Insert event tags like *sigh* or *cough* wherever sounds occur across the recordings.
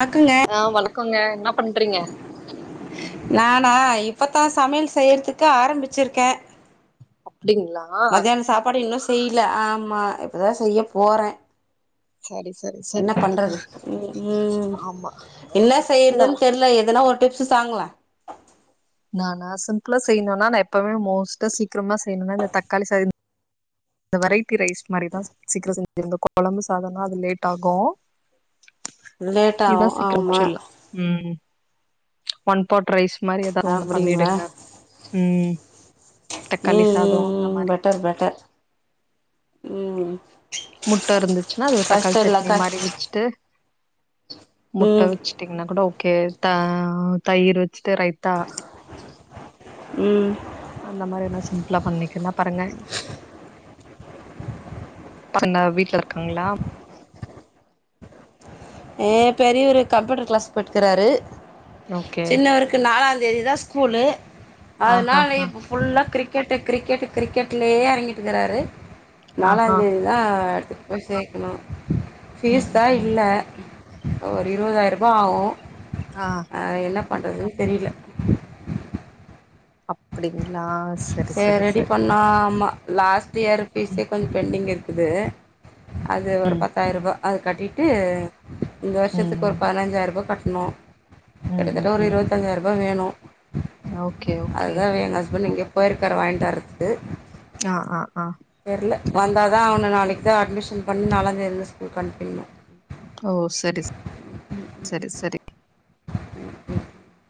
வணக்கங்க ஆஹ் வணக்கங்க என்ன பண்றீங்க இப்பத்தா சமையல் செய்யிறதுக்கு ஆரம்பிச்சிருக்க அப்டிங்ளா செய்ல ஆமா இப்பதா செய்ய போற சரி சரி சரி என்ன பண்றது ம் ம் ஆமா என்ன நா செய்யற்துன் தெர்ல எதனா ஒர் டிப்ஸ் தாங்கல நானா சிம்புளா செய்ணுனா நா எப்மே மோஸ்ட்ட சீக்ரமா செய்யணுனா இந்த தக்காளி சாத இந்த வரைட் டி ரைஸ் மாரிதா சீக்கிரோ செஞ் இங்க கொழம்பு சாதன்னா அது லேட் ஆகு லேட் ஆவு ஆம்மா ஒன்பாட் ரைஸ் மாரி எதாவது ஒண்ணு அப்படிங்களா பண்ணிடுங்க ம் தக்காளி ம் சாதோ ம் அந்த ம் மாரி பெட்டர் பெட்டர் ம் முட்ட இர்ந்துச்சுனா அது ஒ தக்காள் கஷ்டம் இல்ல சட்னி கஷ் மாரி வெச்ட்டு முட் ம் அவிச்டீங்ன்னா கூட ஓகே தா தயிறு ஃபஸ்ட்டு ரைத்தா ம் அந்த மாதிரி எதுனா சிம்பிளா பண்ணக்குன்னா பாருங்க பசங்க வீட்ல இருங்காங்கலா ஏ பெரியவரு கம்ப்யூட்டர் க்ளாஸ் போய்ட்ருக்ககுறாரு ஓகே சின்னவருக்கு நாளாந் தெரியதா ஸ்கூலு ஆஹா அதனால இப்ப ஃபுல்லா கிரிக் கிரிக்கெட் கிரிக்கெட் கிரிக்கெட்லேயே இறங்கிட்டுருக்குறாரு ஆஹா நாலாந்தேதி தா போய் சேக்கணு ம் ஃபீஸ் தா ம் ம் இல்ல ஒரு இருபதாயிராரூபா ஆகோ ஆ அ என்ன பண்றதுன்னு தெரியில்ல அப்டிங்ளா சேரி ரெடி பண்ணோ ஆம்மா லாஸ் பீ ஆர் பீஸே ம் கொஞ்சொ ம் பெண்டிங் இருக்குது அது ஒரு பத்தாயிரூபா அது கட்டிட்டு இந்த வருஷத்துக்கு ஒரு ம் பதினஞ்சாயிரபா கட் ந ம் கிட்டத்தட்ட ஒரு ம் இருபத்தஞ்சாயிர அப்டிதா வேணோ ம் ஓகே ஓகே அதுதா வே என் ஹஸ்பன்ட் எங்யோப் போயிருக்கிறாரு வாங்டுவரத்துக்கு அஅஅ தெர்ல வந்தாதா அவன நாளைக்கா அட்மிஷன் பண்ணி நாலா தேதியில ஸ்கூலுக்கு அனுப்பிடணு ஓ செரி செரி செரி *inaudible*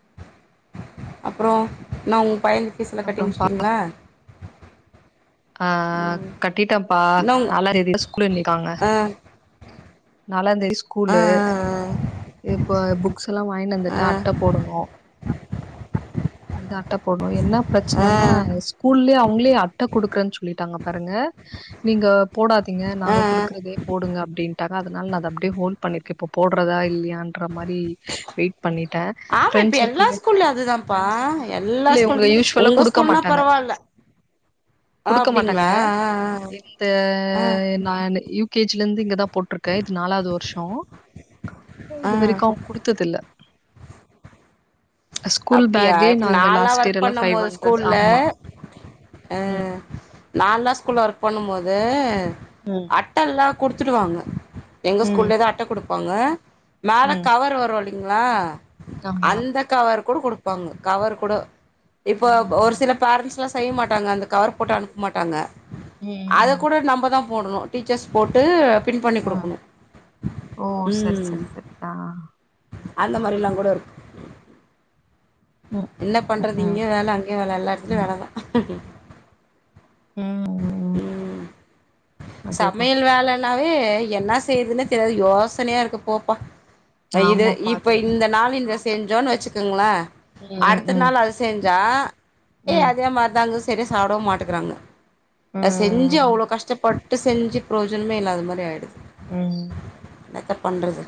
அப்ரோ நா உங் ஃபையலுக்கு ஃபீஸ்ஸெலா கட்டி அப்புறம்ப்பா முடிச்சுட்டடீங்லா ஆ கட்டிட்டம் பா இன்னு உங்க நலாந்தேதி ஸ்கூலுன்னிக்காங்க ஆ நாலாந்தேதி ஆ ஸ்கூலு இப்ப புக்ஸ் லாம் வாங்கிணு ஆ ஆ வந்துட்டு அட்ட ஆ போடணு ந்த அட்ட போடுவு என்ன ஆ பிரச்சனன்னா ஸ்கூல்லே அவங் உள்களேயே அட்ட குடுக்கரேனு சொல்லிட்டாங்க பாருங்க நீங்க போடா ங்க ஆ நாங்க ஆ குடுக்றதே போடுங்க ப்டீன் தராதனால அத அப்டே ஹோல் பண்ணிருக் இப்ப போட்றதா இல்லையான்ற மாரி வெய்ட் பண்ணிட்ட ஆமா இப்ப எல்லா ப்ரெண்ட்ஸ்சர்க்குள்மே ஸ்கூல்ல அதுதான்ப்பா எல்லா இல்ல ஸ்கூல் இவங்க யூஷ்வலா உங்க குடுக்க ஸ்கூல்னா மாட்டாங்க பரவால்ல ஆ குடுக்க மாட்டாங்க அப்டிங்களா இந்த ஆ ஆ நான் யூப் கேஜிலந்து இங்கதா போ ருக்கே இது நாலாது வர்ஷோ ஆ இது ஆ வரைக்கு குடுத்ததில்ல ஸ்கூல் அப்டியா பேக்கே இப்ப நாங்க நாள்ளா லாஸ்ட் இயர் வர்க் எல்லாம் பண்ணு ஃபைவ் போது ஹண்ட்ரட் ஸ்கூல்ல ஆமா. ஆ நான் தான் ஸ்கூல்ல ஒர்க் பண்ணும் போது ம். அட்டல்லா குடுத்துடுவாங்க எங்க ம். ஸ்கூல்லதா அட்ட கொடு போங்க மேல ம். கவர் வரும்வலி ங்ளா ஆமா. அந்த கவர் கொடு கொடுப்பாங்க கவர் கூட இப்போ ம். ஒரு ம். சில பேரண்ட்ஸ்லாம் செய்ய மாட்டாங்க அந்த கவர் போட்டு அனுப்ப மாட்டாங்க ம். அத ம். கூட நம்பதா போடுணு டீச்சர்ஸ் போட்டு பின் பண்ணி ஆ. குடுக்குனு ஓ! சரி, ம் சரி, சரி. ஆ. அந்த மாரில்லாம் கூட இருக் ம். என்ன பண்றது ம். இங்கியு வேல அங்கியு வேல எல்லாத் இதுலியு வேலதா ம். உம் அதேதான். சமையல் வேல ன்னாவே என்னா செய்யுருதுன்னே தெரியாது யோசனயா இருக்கு போப்பா இது ஆமாப்பா இப்ப அதேதா இந்த நாளின் ரெஸ்ப் செஞ்சோன் வெச்சிக்கங்ளே ம் அடுத்த ம் நாள் அது செஞ்சா ஏ ம் அதேமாரித செரிய சாப்படவு மாட்டக்கிறாங்க ம் செஞ்சு ம் அவ்வளோ கஷ்டப்பட்டு செஞ்சி பிரஜோனமே இல்லாத மாரி ஆயிடுது உம் என்னத்த பண்றது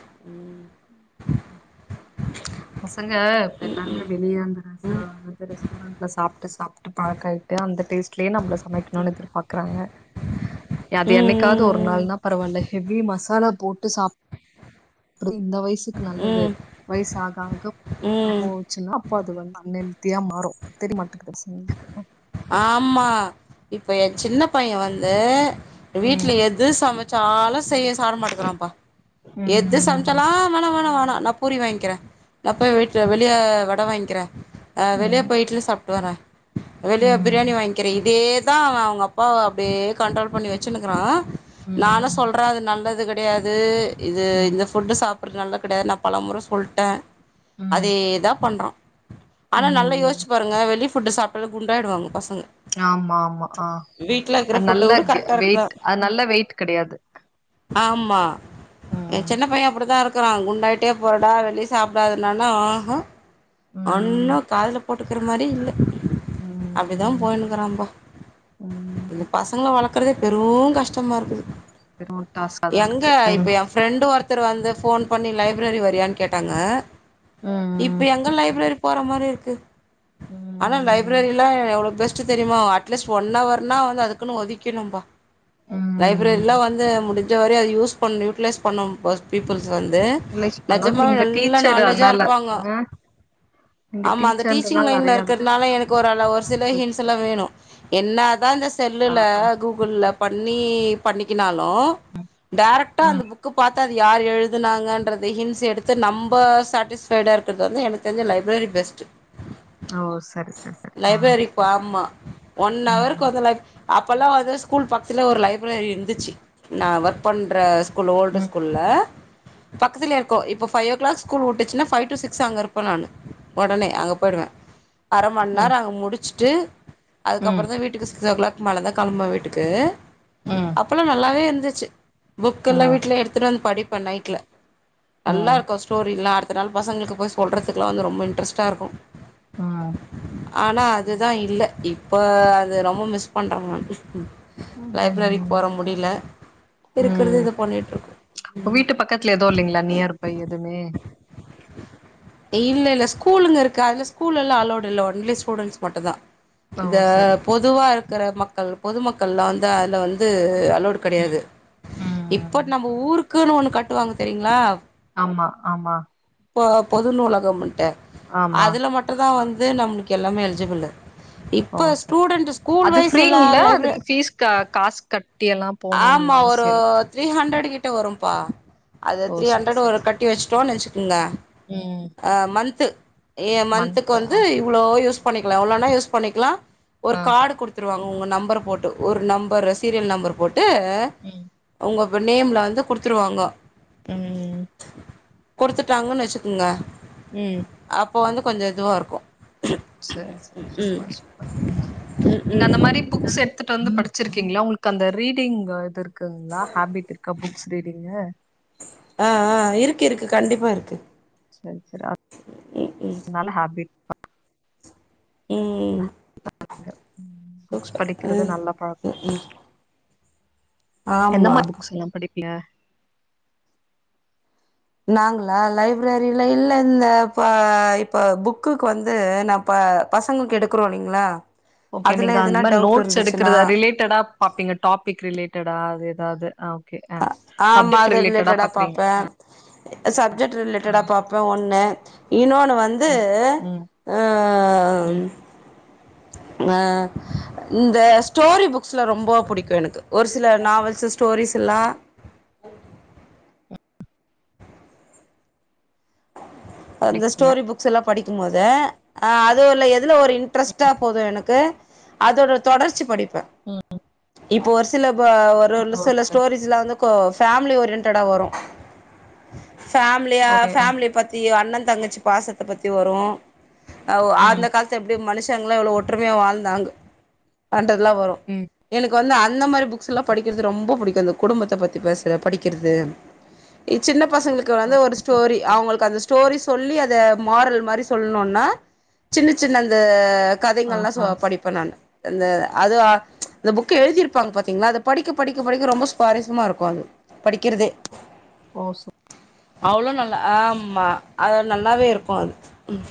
பசங்க எல்லாமே வெளிய அந்த *unintelligible* அல்லது ரெஸ்டாரண்ட்ல சாப்பிட்டு சாப் பழக்கயிட்டு அந்த டேஸ்ட் ட்லயே நம்மள சமைக்கணும்னு எதிர்பார்கறாங்க அது என்னைக்காவது ஒரு ம் ம் நாள்னா பரவாயில்ல ஹெவி மாஸ் மசாலா போட்டு சாப் அப்டி இந்த வயசு *unintelligible* நல்லது ம் வயசு ஆகாக போ ம் ம் போச்சுன்னா அப்ப அது வந்து *unintelligible* *unintelligible* மாறு தெரிய மாட்டுக்குது ஆமா இப்ப எ சின்ன பைய வந் தே ம் வீட்டுல எது சமைச் சாலஸ் *unintelligible* மாட்டேக்கிறான்ப்பா ம் எது ம் சமைச்சாலாலு வேணா வேணா நா பூரி வாங்கிற அப்ப வீட்டுல ம் வெளிய வடை வாங்கி க்கிற ஆஹ் வெளிய ம் போய் இட்லி சாப்பிட்டுவர வெளிய பிரியாணி ம் வாங்கிற இதேதா அவ அவங்க அப்பா அப்படியே கண்ட்ரோல் பண்ணி வச்சுனுக்கிறா ம் நானு சொல்ற அது நல்லது க கிடையாது இது ம் இந்த ஃபுட்டு சாப் *unintelligible* நல்லா கிடையாது நான் பலமுறை சொல்ட ம் அதேதா பண்றா ஆனா ம் நல்லா ம் யோசிச்சு பாருங்க வெளி ஃபு *unintelligible* இபெல்லா குண்டயிடுவங்கா பச ஆமா ஆமா ஆஹ் இருக்கிற அது ஃபுட்டு நல்ல கூட கரெக்டா இருக்கலா வெயிட் அது நல்ல வெயிட் கிடையாது ஆமா என் சின்ன பையன் அப்படித்தா இருக் கக்குறா குண்டாயிட்டே போறடா வெளிய சாப்டாதனானு அஹ ஹ ம் ஒன்னு காதுல போட்டுக்குற மாரி இல்ல அப்டிதா ம் போயினுக்கிறான்ம்பா ம் இந்த பசங்கள வளக் கறதே பெருங் கஷ்டமா இருக்குது வெறு டாஸ்காதா எங்க இருக்கு ம் இப்ப என் ஃப்ரெண்ட் ஒருத் ஒருத்தர் வந்து ஃபோன் பண்ணி லைப்ரரி வரியானூ கேட்டாங்க ம் இப்பியங் லைப்ரரி போற மாரி இருக்கு ஆனா ம் லைப்ரரில எவ்ளோ பெஸ் ச்சு தெரியுமா அட்லீஸ்ட் ஒன் ஹவர்னா வந்து அதுக்குன்னு ஒதிக்கிரணும்பா லைப்ரரிலா ம் வந்து முடி ஞ்ச வரை அது யூஸ் பண்ணு யூட்டிலைஸ் பண்ணு வஸ்ட் பீப்பல் வந்து ரிலைஸ் பண்ணோ நிஜமாவே நீங்க நல்லா டீச்சர் நாலேஜா அதனால இருப்பாங்க ஆ நீங்க ஆமா அந்த டீச்சிங் டீச்சர்ன்றனால லைன்ல நெறைய அத பத்தி இருக்கிறதுனால எனக்கு ஒரு அலவு ஒரு சில சர்ச் ஹிங்ஸ் எல்லா பண் வேணு என்னதா இந்த ஆ செல்லுல கூகுள்ள பண்ணி பண்ணிக்கினங் ஹலோ டேரேக்ட்டா அந்த ம் புக் பாத் அது யார் எழுதுனாங்கறது ஹின்ஸ் எடுத்து நம்ப சாட்டிஸ்பைடா இருக்கிறது வந்து எனக்கு தெரிஞ்ச லைஃப் வெரி பெஸ்டு ஓ சரி சரி சரி ஆ லைப்ரரிப்பா ஆமா ஒன் அவருக்கு ம் வந்த லைப் அப்போல்லா வந்து ஸ்கூல் பக்த்தில ஒரு லைப்ரரி இருந்துச்சு நா ஒர்க் பண்ற ஸ் குகூல் ஓல்டு ம் ஸ்கூல்ல பக்கதிலே இருக்கோ இப்ப ஃபை ஓ கிளாக் ஸ்கூல் விட்டுச்சுன்னா ஃபைவ் டு சிக்ஸ் அங்க இருப்ப நானு ஒடனே அங்க போயிடுவே அர மணிநேரே ம் அங்க முடிச் ட்டு அதுக்கப்புறோ தா வீட்டுக்கு சிக்ஸ் ஓ கிளாக் மேலதா களம்புவ வீட்டுக்கு ம் அப்பல்லா நல்லாவே இருந்துச் ச்சு புக் எல்லா ம் வீட்டுல எடுத்துட்டு வந்து படி இப்ப நைட்டுல நல்லா ம் இருக்கு ஸ்டோரி எல்லாத் இப்ப நம்ம பசங்களுக்கு போய் சொல்றத்துக்குலா வந்து ரொம்ப இன் ட்ரெஸ்டா இருக்கு ஆஹ் ஆனா அதுதா இல்ல இப்ப அது ரொம்ப மிஸ் பண்ற நானு லைப்ரரிக்கு உம் போற முடில இருக்கறது உம் இத பண்ணிட்ருக்கோ உம் வீட்டு பக்கத்துல எதும் இல்லைங்ளா நியர் பை எதுமே இல்ல இல்ல ஸ்கூ கூலுங்க இருக்கு அதுல ஸ்கூல்லலா அலோட் இல்ல ஒன்லி ஸ்டூடெண்ஸ் மட்டுந்தா ஓ இத சரி சரி பொதுவா இரு கிற மக்கள் பொதுமக்கள்லா வந்து அதுல வந்து அத் அலோட் கெடையாது ம் ம் இப்போட் நம்ப ஊரு க்குனு ஒன்னு கட்டுவாங்க தெரிங்ளா ஆமா ஆமா பொ பொது நூலகம்ன்ட்டு ஆமா அதுல மட்டு தா வந் இது நம்ளுக்கு எல்லாமே எழுஜிபில்லு ஓ சரி சரி அது ஃப்ரீங்ள எல்லாரு லைப்ர அதுக்கு ஃபீஸ் கா காசு கட் ஆமா ஒரு த்ரீ ஹண்ரட் கிட் ட்ட வரும்பா அது ஓ த்ரீ சரி ஹண்ரட் வரு சரி கட்டி வச்ட்டோனு வச்சுக்குங்க ம் அ மந்த்து எ மந்த்துக்கு மன்த்தா வந்து இவ்ளோ யூஸ் பண்ணிக்லா எவ்ளோனா யூஸ் பண்ணிக்லா ஒரு ஆ கார்டு குடுத்துட் ருவாங்க உங்க நம்பர போட்டு ஒரு நம்பரு சீரியல் நம்பர்ரு ட்டு ம் உங்கப் உங்க நேம்ல வந்து குடுத்துருவாங்க ம் ம் குடுத்துட்டாங்கன் வச்சுக்குங்க அப்போ வந்து கொஞ்ச இதுவாருக்கு சேர் சேர் சூப்பர் சூப்பர் ம் ம் நீங்க அந்த ம் மாரி புக்ஸ் எட்த்துட்டு வந்து படிச் ச்சிருக்கீங்ளா உங்களுக்கு அந்த ரீடிங் அ இதுருக் குங்ளா ஹாபிட்ருக்க புக்ஸ் த்ரீடிங்க ஆஆ இருக்கு இருக்கு கண்டிப்பா இருக்கு சரி சரி அ ம் நல்ல ஹாபிட் ம்ம்ம் *inaudible* புக்ஸ் ம் படிக்கிறது நல்ல பழக் எந்த ஆமா மாதிரி புக்ஸ் எல்லாம் படி பா *unintelligible* நாங்களா லைவ் ஃபிப்ரவரில இல்ல இல்ல இந்த இப்போ இப்போ புக்குக்கு வந்து நான் ப பசங்களுக்கு எடுக்கறோம் இல்லைங்களா ஓகே அதுல நீங்க அந்த எதுனா மாரி டவுட் நோட்ஸ் இருந்துச்சுன்னா எடுக்கற ரிலேட்டடா பாப்பீங்க டாபிக் ரிலேட்டடா அதது ஆ ஓகே ஆ அ ஆமா சப்ஜெக்ட் அது ரிலேட்டடா பாக்குறீங்க பாப்பே சப்ஜெக்ட் ஆ ரிலேட்டடா பாப்பே ஒண்ணு இன்னொன்னு வந்து ம் ம் ம் ஆ இந்த ஸ்டோரி புக்ஸ்லா ரொம்போ புடிக்கூ எனக்கு ஒரு சில நாவல்ஸ் ஸ்டோரிஸ் எல்லா அந்த படிப்பீங்க ஸ்டோரி புக்ஸ் எல்லா படி க்கும் போது அ அதுவு இல்ல எத் இதுல ஒரு இன்ட்ரஸ்ட்டா போதும் எனக் க அதோட தொடர்ச்சி படிப் ப இப்ப ஒரு சில ப ஒரு வந்து ஓ சில சரி ஸ்டோரேஜ்லா வந்து கோ ஃபேமிலி ஓரியன்டடா வரூ ஃபேமிலியா ஓகே ஆ, ஃபேமிலி பத்தி அண்ண தங்கச்சி பாசத்த பத்தி வரூ அவ் அந்த ம் கால்த்து எப்டி மனுஷ் டங்ள எவ்ளோ ஒற்றுமையா வாழ்ந்தாங்க அன்டற் ல்லா வரு ம் எனக்கு வந்து அந்த மாரி புக்ஸ்ல்லா படிக்கிறது ரொம்போ புடிக்கும் இந்த குடும்பத்த பத்தி பேசுற படிக்கிறது இ சின்ன பசங்களுக்கு ஓ வந்து ஒரு சரி ஸ்டோரி சரி அவங்களுக்கு அந்த ஸ்டோரிஸ் சொல்லி அத மாறல் மாரி சொல்ணோன்னா சின்ன சின்ன அந்த ஆ கதைகள்ல்லா சோ ஆ படிப்பே நானு இந்த அது ஆ ச்ச இந்த புக்கு எழுதிர்ப்பாங்க பா த்தீங்ளா அது படிக்கப் படிக்கப் படிக்க ரொம்ப சுவாரஸ்யமா இருக்கு அது படிக்கிறதே ஓ சரி அவ்ளோ நல்ல ஆமா அது நல்லாவே இருக்கு அது ம்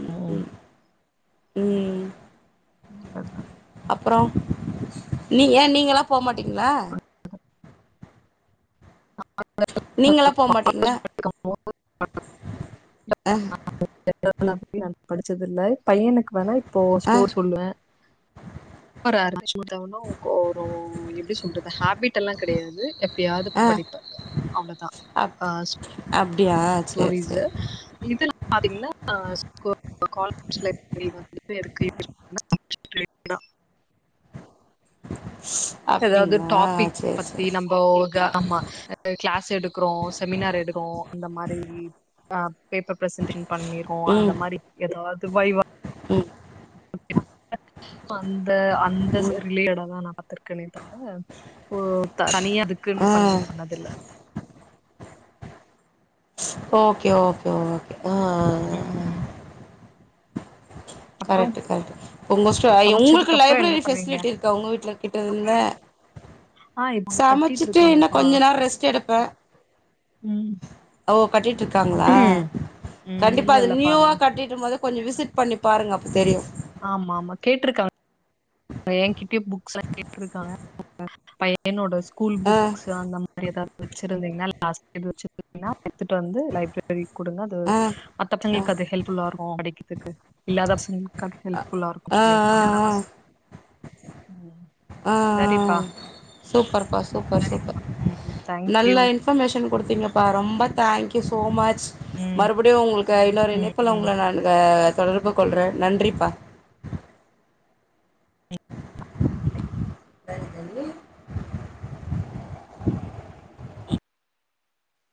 ம் ம் உம் அதா நீ, ஏன் நீங்க எல்லா போமாட்டீங்களா. நீங்கெல்லாம் போகமாட்டீங்ளா. நல்லது அ *inaudible* படிச்சதில்ல பையனுக்கு வேணா இப்போ அ ஸ்டோர் சொல்லுவே *unintelligible* எப்டி சொல்றது ஹேபிட் எல்லா கிடையாது. எப்பயாவது அ படிப்ப அப் அப்டியா சேர் சேர். இதெல்லா பாத்தீங்கன்னா ஆ *inaudible* ஏதாவது அப்டிங்களா டாபிக் சேரி பத்தி சேரி நம்போ க நம்ம கிளாஸ் எடுக்குறோ செமினார் எடுக்கோ அந்த மாரி ஆஹ் பேப்பர் ஃப்சன்டிங் பண்ணிகோ அந்த ம் மாரி ஏதாது வைவா ம் *unintelligible* அந்த அந்த ச ம் ரிலேடடா தா நா பத்திருக்கேனே தவிர ஓ தனிய அதுக்குன்னு ஆ பண்ணி பண்ணதில்ல. Okay okay okay. ஆ உம். அப்புறம் கரட்டு கரட்டு மோசட் அ உங்குல்கு சமைச்சதுக்கு அப்புறம் என்ன லைப்ரெரி பண்ணுவீங்க பெசிலிட்டி இருக்க உங்க வீட்ல கிட்ட இருந்த. ஆஹ் இப்ப ஒண்ணு கட்டிட்டு சமச்சிட்டு என்ன இருக்காங்கப்பா கொஞ்சநேரம் ரெஸ்ட் எடுப்பேன். உம் ஓ கட்டிடு இருகாங்கள உம் கண்டிப்பா இல்ல அத இல்லப்பா நியூ அ கட்டிடபோது கொஞ்சோ விசிட் பண்ணி பாருங்க அப்போ தெரியு ஆமா ஆமா கேட்ருக்காங் என்கிட்டயே புக்ஸ் எல்லாம் கேட்டுருக்காங்க பையனோடது ஸ்கூல் ஆ புக்ஸ் அந்த மாரி ஏதாவது வச்சிருந்தீங்கனா *unintelligible* எடுத்துட்டு வந்து லைப்ரரிக்கு குடுங்க அது ஆ ஆ மத்தவங்களுக்கு அது எல்ப்புல்லா *unintelligible* ஓ *unintelligible* இல்லாத பவசங்கல்காக எல்ப் ஆ ஆ ஆ *unintelligible* ஆ ஆ சரிப்பா சூப்பர் பா சூப்பர் சூப்பர் ம் தேங்க்யூ நல்ல இன்பர்மேஷன் குடுத்தீங்க ப்ப ரொம்ப தேங்க்யூ சோமச் ம் மறுபடியு உங்களுக்கு இன்னொரு ம் இணைப்புல ம் உங்கள நா அ தொடர்பு கொள்ற நன்றிப்பா